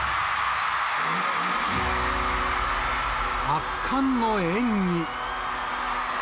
圧巻の演技。